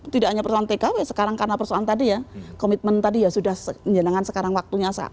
tidak hanya persoalan tkw sekarang karena persoalan tadi ya komitmen tadi ya sudah menyenangkan sekarang waktunya saat